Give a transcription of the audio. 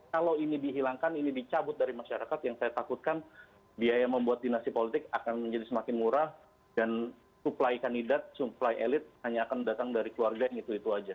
kalau ini dihilangkan ini dicabut dari masyarakat yang saya takutkan biaya membuat dinasti politik akan menjadi semakin murah dan supply kandidat supply elit hanya akan datang dari keluarga yang itu itu saja